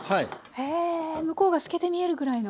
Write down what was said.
へえ向こうが透けて見えるぐらいの。